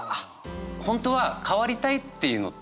本当は変わりたいっていうのって